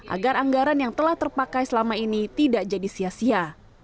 agar anggaran yang telah terpakai selama ini tidak jadi sia sia